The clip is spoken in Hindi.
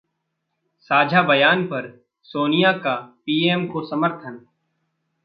साझा बयान पर सोनिया का पीएम को समर्थन